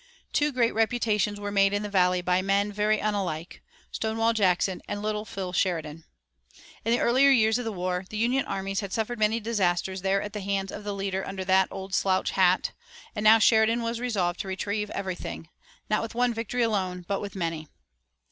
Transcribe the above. Two great reputations were made in the valley by men very unlike, Stonewall Jackson and Little Phil Sheridan. In the earlier years of the war the Union armies had suffered many disasters there at the hands of the leader under the old slouch hat, and now Sheridan was resolved to retrieve everything, not with one victory alone, but with many.